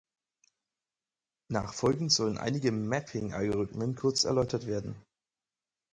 Nachfolgend sollen einige Mapping-Algorithmen kurz erläutert werden.